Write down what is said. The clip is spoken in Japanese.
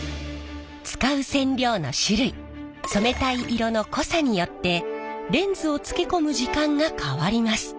使う染料の種類染めたい色の濃さによってレンズを漬け込む時間が変わります。